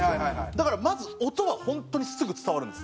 だからまず音は本当にすぐ伝わるんです。